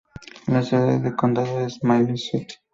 La sede del condado es Miles City.